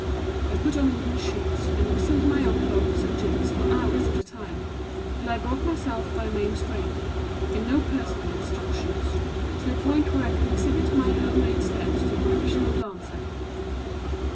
I put on wooden shoes and whistled my own clogs and jigs for hours at a time, till I brought myself by main strength, and no personal instruction, to a point where I could exhibit my home made steps to a professional dancer.